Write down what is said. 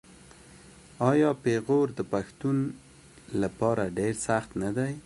آیا پېغور د پښتون لپاره ډیر سخت نه دی؟